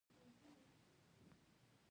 سمندري ستوری پنځه مټې لري